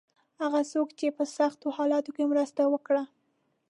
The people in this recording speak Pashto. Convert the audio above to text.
هغه څوک چې په سختو حالاتو کې مرسته وکړه.